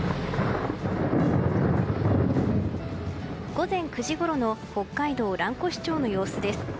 午前９時ごろの北海道蘭越町の様子です。